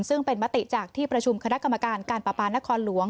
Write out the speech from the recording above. ซึ่งเป็นมติจากที่ประชุมคณะกรรมการการประปานครหลวง